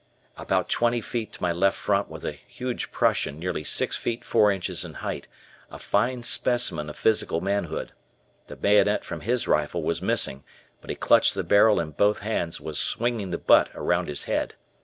About twenty feet to my left front was a huge Prussian nearly six feet four inches in height, a fine specimen of physical manhood. The bayonet from his rifle was missing, but he clutched the barrel in both hands and was swinging the butt around his head.